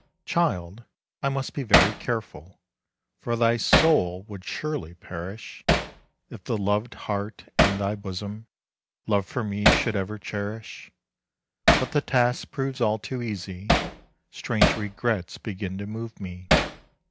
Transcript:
Child, I must be very careful, For thy soul would surely perish, If the loved heart in thy bosom Love for me should ever cherish. But the task proves all too easy, Strange regrets begin to move me.